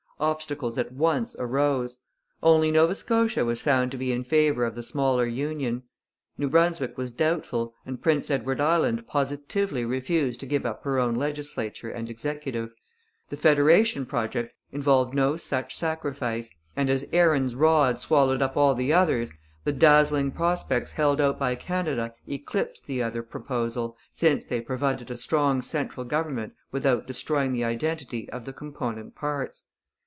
Obstacles at once arose. Only Nova Scotia was found to be in favour of the smaller union. New Brunswick was doubtful, and Prince Edward Island positively refused to give up her own legislature and executive. The federation project involved no such sacrifice; and, as Aaron's rod swallowed up all the others, the dazzling prospects held out by Canada eclipsed the other proposal, since they provided a strong central government without destroying the identity of the component parts.